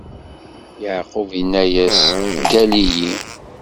Yeɛqub inna-as: Gall-iyi!